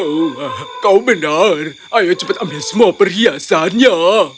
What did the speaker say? oh kau benar ayo cepat ambil semua perhiasannya